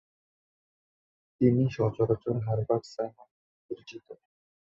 তিনি সচরাচর Herbert Simon নামে অভিহিত।